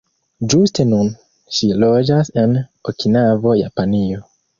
Ĝuste nun ŝi loĝas en Okinavo, Japanio.